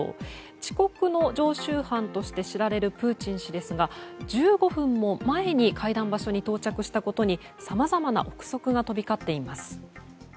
遅刻の常習犯として知られるプーチン氏ですが１５分も前に会談場所に到着したことにさまざまな憶測が飛び交っています。